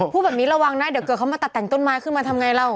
พูดแบบนี้ระวังนะเดี๋ยวเขามาตัดแต่งต้นไม้ขึ้นมาทำอย่างไรแล้ว